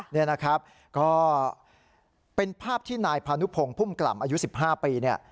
นี่นะครับก็เป็นภาพที่นายพานุพงศ์พุ่มกล่ำอายุ๑๕ปีเนี่ย